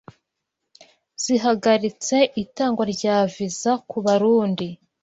zihagaritse itangwa rya Viza ku Barundi